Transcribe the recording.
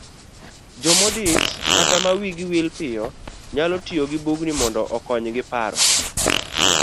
Jomodich kata ma wigi wil piyo, nyalo tiyo gi bugni mondo okonyji paro